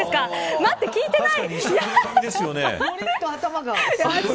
待って、聞いてない。